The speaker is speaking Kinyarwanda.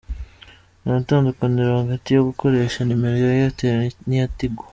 Nta tandukaniro hagati yo gukoresha nimero ya Airtel n’iya Tigo.